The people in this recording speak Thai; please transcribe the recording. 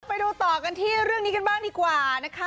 ไปดูต่อกันที่เรื่องนี้กันบ้างดีกว่านะคะ